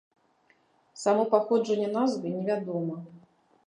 Само паходжанне назвы не вядома.